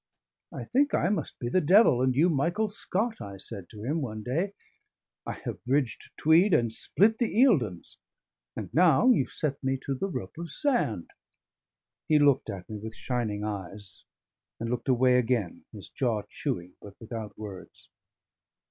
"I think I must be the devil and you Michael Scott," I said to him one day. "I have bridged Tweed and split the Eildons; and now you set me to the rope of sand." He looked at me with shining eyes, and looked away again, his jaw chewing, but without words.